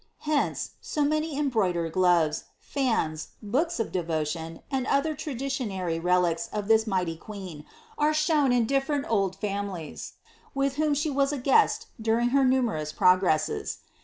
Hence, so many embroidered gloves, bn$« books of devotion, and other traditionary relics of this mighty v.ii^u are shown in different old families, with whom she was a guest coring her numerous progresses.